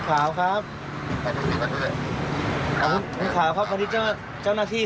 เพราะว่าช้างมันไม่อยู่ช้างมันไม่เคยเหลียด